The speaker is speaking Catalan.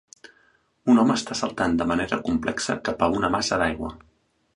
Un home està saltant de manera complexa cap a una massa d'aigua.